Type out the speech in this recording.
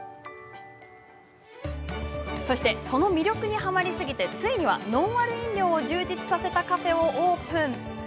その魅力に、はまりすぎてついにはノンアル飲料を充実させたカフェをオープン。